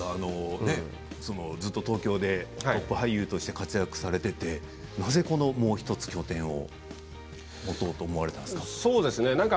ずっと東京で俳優として活躍されていてなぜ、このもう１つ拠点を持とうと思われたんですか？